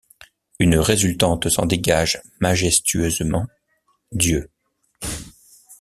Une résultante s’en dégage majestueusement, Dieu.